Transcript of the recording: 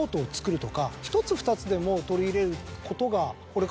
１つ２つでも取り入れることが。